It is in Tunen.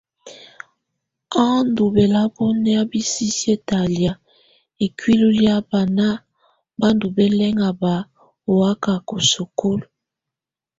A ndɔ̀ bɔlabɔnɛ̀á bi sisiǝ́ talɛa ikuili ɔ lɛa bana bá ndɔ̀ bɛlɛŋaba ɔ́ wakaka í sukúlu.